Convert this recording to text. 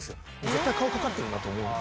絶対顔かかってるなと思う。